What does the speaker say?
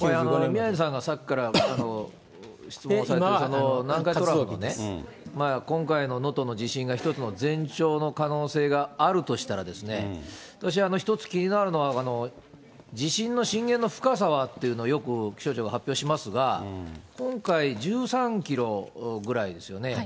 宮根さんがさっきから質問されてる南海トラフね、今回の能登の地震が、１つの前兆の可能性があるとしたら、私、一つ、気になるのは、地震の震源の深さはっていうの、よく気象庁が発表しますが、今回、１３キロぐらいですよね。